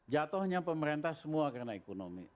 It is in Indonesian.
jatuhnya pemerintah semua karena ekonomi